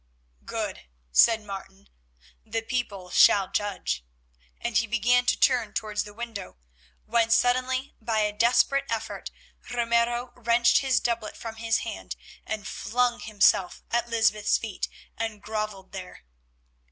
"Good," said Martin, "the people shall judge," and he began to turn towards the window, when suddenly, by a desperate effort, Ramiro wrenched his doublet from his hand, and flung himself at Lysbeth's feet and grovelled there.